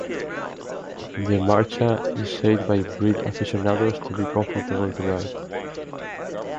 The "marcha" is said by breed aficionados to be comfortable to ride.